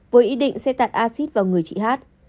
với ý định sẽ tạt acid vào người chị hát